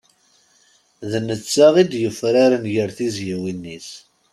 D nettat i d-yufraren ger tizyiwin-is.